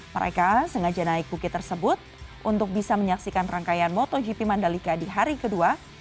mereka sengaja naik bukit tersebut untuk bisa menyaksikan rangkaian motogp mandalika di hari kedua